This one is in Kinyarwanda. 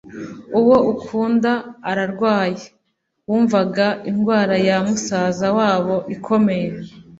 uwo ukunda ararwaye." Bumvaga indwara ya musaza wabo ikomeye,